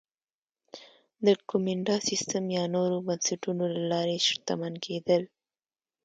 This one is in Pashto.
د کومېنډا سیستم یا نورو بنسټونو له لارې شتمن کېدل